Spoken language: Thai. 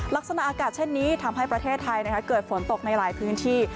ลักษณะอากาศเช่นนี้ทำให้ประเทศไทยเกิดฝนตกในหลายพื้นที่